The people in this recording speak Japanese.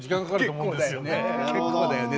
結構だよね